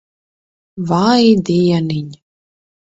Vai dieniņ.